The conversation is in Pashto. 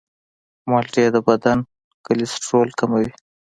مالټې د بدن کلسترول کموي.